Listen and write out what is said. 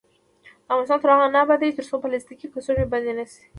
افغانستان تر هغو نه ابادیږي، ترڅو پلاستیکي کڅوړې بندې نشي.